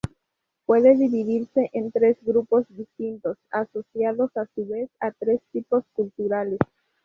Puede dividirse en tres grupos distintos, asociados a su vez a tres tipos culturales.